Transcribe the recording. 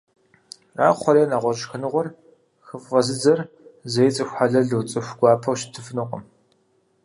ЩӀакхъуэр е нэгъуэщӀ шхыныгъуэр хыфӀэзыдзэр зэи цӀыху хьэлэлу, цӀыху гуапэу щытыфынукъым.